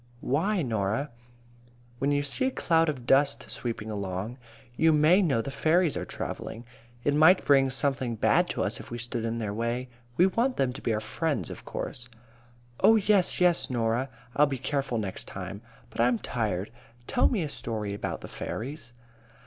"Why, Norah?" "When you see a cloud of dust sweeping along, you may know the fairies are travelling. It might bring something bad to us if we stood in their way. We want them to be our friends, of course." "Oh, yes, yes, Norah. I'll be careful next time. But I'm tired. Tell me a story about the fairies."